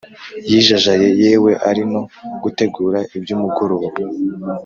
yijajaye yewe ari no gutegura ibyumugoroba.